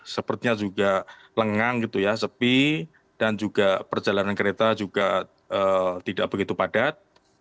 sepertinya juga lengang gitu ya sepi dan juga perjalanan kereta juga tidak begitu padat